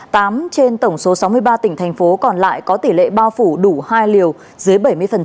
tám trên tổng số sáu mươi ba tỉnh thành phố còn lại có tỷ lệ bao phủ đủ hai liều dưới bảy mươi